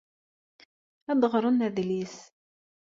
Ad ɣren adlis.